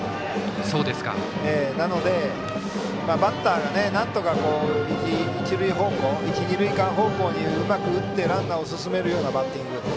なので、バッターがなんとか一、二塁間方向にうまく打って、ランナーを進めるようなバッティング。